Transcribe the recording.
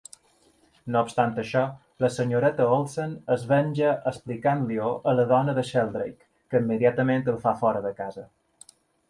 No obstant això, la senyoreta Olsen es venja explicant-li-ho a la dona de Sheldrake, que immediatament el fa fora de casa.